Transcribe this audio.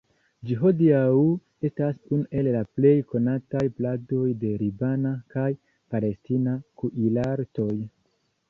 Ĝi hodiaŭ estas unu el la plej konataj pladoj de libana kaj palestina kuirartoj.